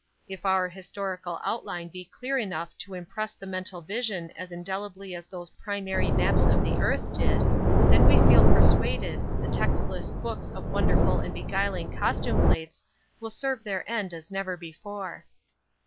If our historical outline be clear enough to impress the mental vision as indelibly as those primary maps of the earth did, then we feel persuaded, the textless books of wonderful and beguiling costume plates will serve their end as never before.